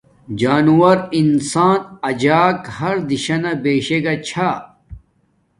جانوور انسان اجک ہر دہشانہ بیشے گا چھا